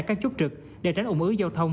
các chốt trực để tránh ủng ứ giao thông